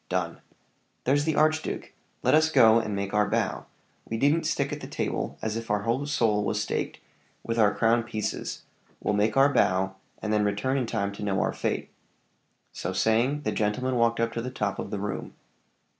"Done." "There's the archduke! Let us go and make our bow; we needn't stick at the table as if our whole soul were staked with our crown pieces we'll make our bow, and then return in time to know our fate." So saying, the gentlemen walked up to the top of the room.